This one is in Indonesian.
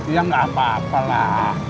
ya nggak apa apa lah